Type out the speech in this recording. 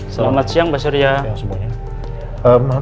selamat siang mbak surya